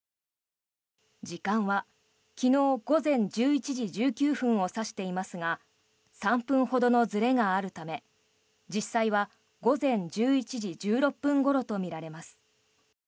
時間は昨日午前１１時１９分を指していますが３分ほどのずれがあるため実際は午前１１時１６分ごろとみられます。